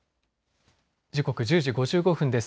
時刻、１０時５５分です。